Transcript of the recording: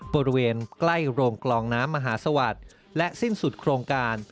บริเวณใกล้โรงกลองน้ำมหาสวัสดิ์และสิ้นสุดโครงการ